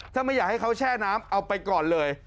ถ้าไม่อยากให้เขาแช่น้ำเอาไปก่อนเลย